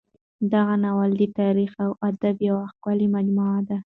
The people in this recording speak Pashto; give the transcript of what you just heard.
دغه ناول د تاریخ او ادب یوه ښکلې مجموعه ده.